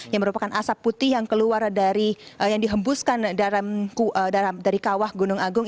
yang merupakan asap putih yang keluar dari yang dihembuskan dari kawah gunung agung